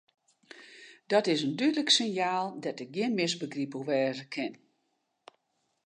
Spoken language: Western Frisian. Dat is in dúdlik sinjaal dêr't gjin misbegryp oer wêze kin.